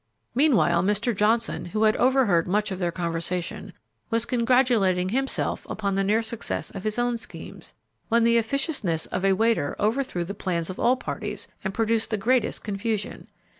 Meanwhile, Mr. Johnson, who had overheard much of their conversation, was congratulating himself upon the near success of his own schemes, when the officiousness of a waiter overthrew the plans of all parties and produced the greatest confusion.